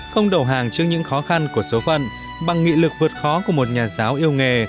không đầu hàng trước những khó khăn của số phận bằng nghị lực vượt khó của một nhà giáo yêu nghề